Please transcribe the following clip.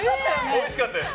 おいしかったです。